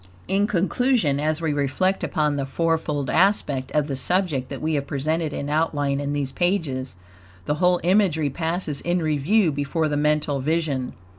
In conclusion, as we reflect upon the fourfold aspect of the subject that we have presented in outline in these pages, the whole imagery passes in review before the mental vision.